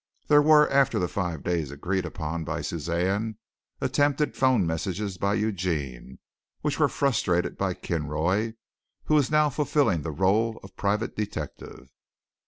There were, after the five days agreed upon by Suzanne, attempted phone messages by Eugene, which were frustrated by Kinroy, who was now fulfilling the rôle of private detective.